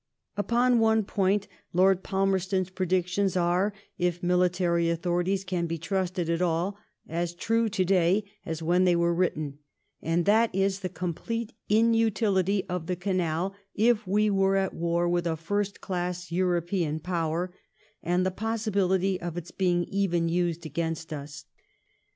Upon one point Lord Palmerston's predictions are, if military authorities can be trusted at all, as true to day as when they were written ; and that is the complete inutility of the canal if we were at war with a first class European Power, and the possibility of its being even used against us.